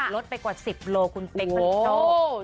ลดไปกว่า๑๐กิโลกรัมคุณเป๊กค่ะ